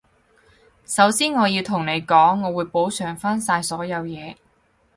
我首先要同你講，我會補償返晒所有嘢